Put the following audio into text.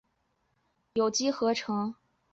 用于有机合成。